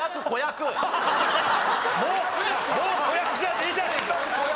もう子役じゃねえじゃねえか！